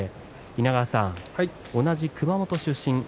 稲川さん、同じ熊本出身です。